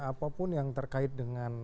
apapun yang terkait dengan